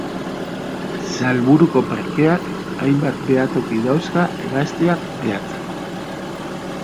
Salburuko parkeak hainbat behatoki dauzka hegaztiak behatzeko.